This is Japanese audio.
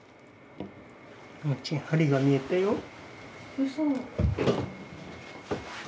うそ。